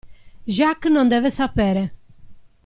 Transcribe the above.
Jacques non deve sapere!